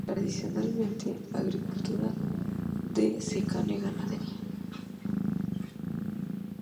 Tradicionalmente, agricultura de secano y ganadería.